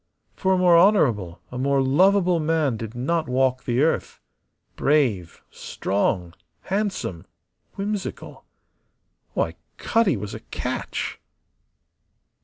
For a more honourable, a more lovable man did not walk the earth. Brave, strong, handsome, whimsical why, Cutty was a catch!